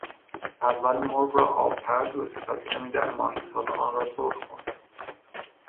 اول مرغ را آبپز و سپس کمی در ماهیتابه آن را سرخ کن.